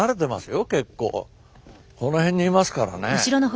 この辺にいますからね。